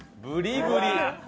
ブリブリ！